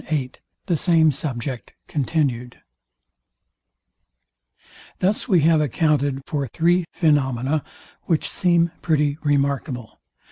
VIII THE SAME SUBJECT CONTINUed Thus we have accounted for three phaenomena, which seem pretty remarkable.